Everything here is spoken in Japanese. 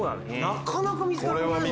なかなか見つからなくない？